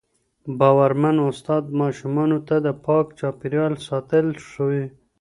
باورمن استاد ماشومانو ته د پاک چاپېریال ساتل ښووي.